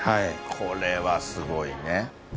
これはすごいね。